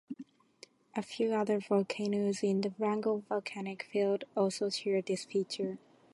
A few other volcanoes in the Wrangell Volcanic Field also share this feature.